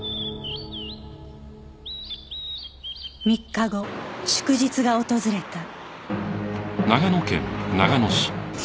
３日後祝日が訪れた